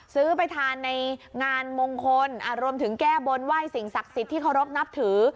ซื้อไปทานในงานมงคลรวมถึงแก้บนไหว้สิ่งศักดิ์สิทธิ์ที่เคารพนับถือ